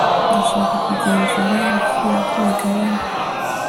ndashaka kugenzura ibiciro byimigabane ejo ..